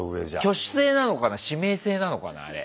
挙手制なのかな指名制なのかなあれ。